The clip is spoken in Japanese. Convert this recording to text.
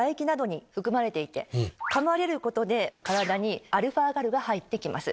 かまれることで体にα−ｇａｌが入ってきます。